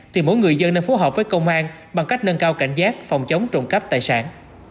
thì mỗi người dân nên phối hợp với công an bằng cách nâng cao cảnh giác phòng chống trộm cắp tài sản